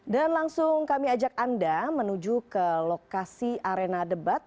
dan langsung kami ajak anda menuju ke lokasi arena debat